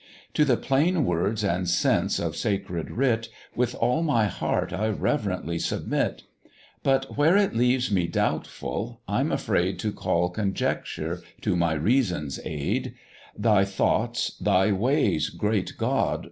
To the plain words and sense of Sacred Writ, With all my heart I reverently submit; But where it leaves me doubtful, I'm afraid To call conjecture to my reason's aid; Thy thoughts, thy ways, great God!